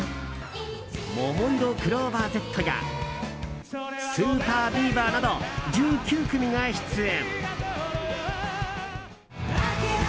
ももいろクローバーＺやＳＵＰＥＲＢＥＡＶＥＲなど１９組が出演。